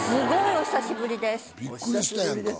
お久しぶりです。